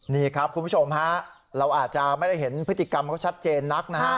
นี่ครับคุณผู้ชมฮะเราอาจจะไม่ได้เห็นพฤติกรรมเขาชัดเจนนักนะฮะ